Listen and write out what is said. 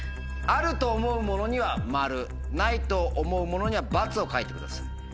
あると思うものには「○」ないと思うものには「×」を書いてください。